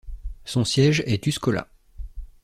Son siège est Tuscola.